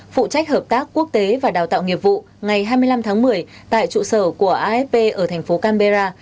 phụ trách hợp tác quốc tế và đào tạo nghiệp vụ ngày hai mươi năm tháng một mươi tại trụ sở của afp ở thành phố canberra